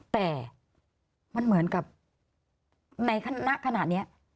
แต่มันเหมือนกับในขณะนี้